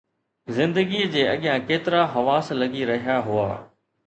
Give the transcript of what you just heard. زندگيءَ جي اڳيان ڪيترا حواس لڳي رهيا هئا